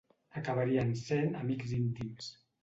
Acabarien sent amics íntims.